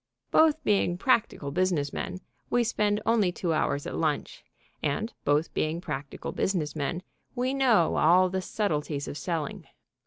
Both being practical business men, we spend only two hours at lunch. And, both being practical business men, we know all the subtleties of selling.